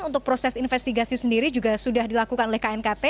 untuk proses investigasi sendiri juga sudah dilakukan oleh knkt